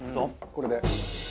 これで。